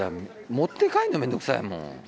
持って帰るの面倒くさいもん。